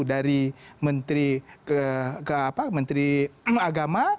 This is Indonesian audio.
dari menteri agama